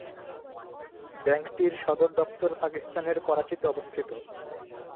ব্যাংকটির সদর দপ্তর পাকিস্তানের করাচিতে অবস্থিত।